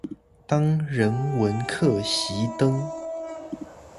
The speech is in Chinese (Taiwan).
當人文課熄燈